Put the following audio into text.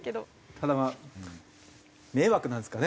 ただ迷惑なんですかね？